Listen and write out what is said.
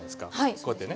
こうやってね。